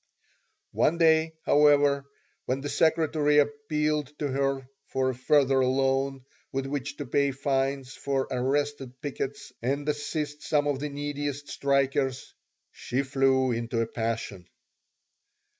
One day, however, when the secretary appealed to her for a further loan with which to pay fines for arrested pickets and assist some of the neediest strikers, she flew into a passion.